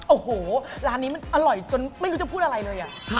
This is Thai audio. โอ้โหร้านนี้มันอร่อยจนไม่รู้จะพูดอะไรเลย